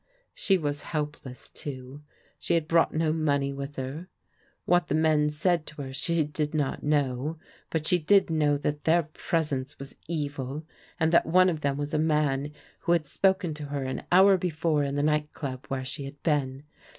She was helpless, toa She had brou^t no money with her. What die men said to her she did not know, but she did know that tfadr presence was evil, and that one of them was a man who had spoken to her an hour before in the ni^t dub where she had been.